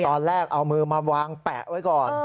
ตอนแรกเอามือมาวางแปะไว้ก่อน